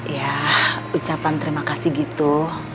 ya ucapan terima kasih gitu